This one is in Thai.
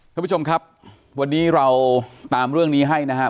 ท่านผู้ชมครับวันนี้เราตามเรื่องนี้ให้นะครับ